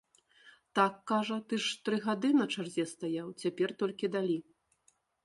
Так, кажа, ты ж тры гады на чарзе стаяў, цяпер толькі далі.